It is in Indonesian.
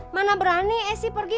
mana berani esi pergi